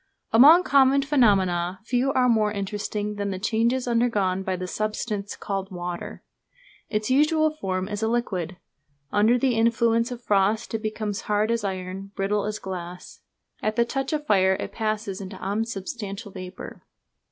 Among common phenomena few are more interesting than the changes undergone by the substance called water. Its usual form is a liquid. Under the influence of frost it becomes hard as iron, brittle as glass. At the touch of fire it passes into unsubstantial vapour.